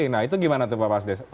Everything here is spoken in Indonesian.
nah itu gimana tuh pak mas des